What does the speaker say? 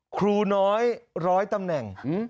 ครูน้อย๑๐๐ตำแหน่ง